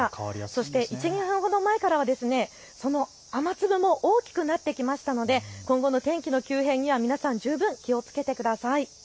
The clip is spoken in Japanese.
そして１、２分ほど前からその雨粒も大きくなってきましたので今後の天気の急変には皆さん十分気をつけてください。